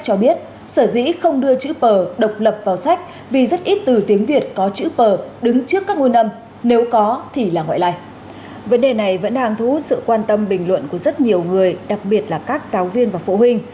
các đối tượng này vẫn đang thú sự quan tâm bình luận của rất nhiều người đặc biệt là các giáo viên và phụ huynh